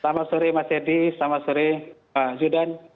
selamat sore mas edi selamat sore pak zudan